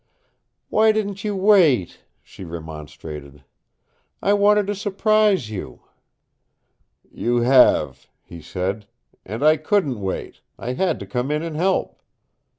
"Why didn't you wait?" she remonstrated. "I wanted to surprise you." "You have," he said. "And I couldn't wait. I had to come in and help."